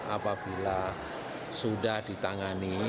apabila sudah ditangani